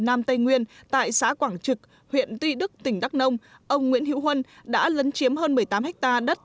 nam tây nguyên tại xã quảng trực huyện tuy đức tỉnh đắk nông ông nguyễn hữu huân đã lấn chiếm hơn một mươi tám ha đất